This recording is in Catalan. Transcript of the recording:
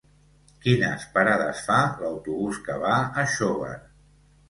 Quines parades fa l'autobús que va a Xóvar?